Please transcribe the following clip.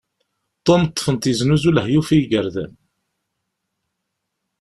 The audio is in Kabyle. Tom ṭṭfen-t yeznuzu lehyuf i igerdan.